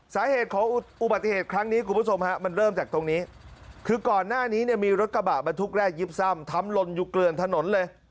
สาเหตุของอุบัติเหตุครั้งนี้คุณผู้ชมฮะมันเริ่มจากตรงนี้คือก่อนหน้านี้เนี่ยมีรถกระบะบรรทุกแรกยิบซ่ำทำลนอยู่เกลือนถนนเลย